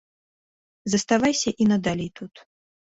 Заставайся і надалей тут.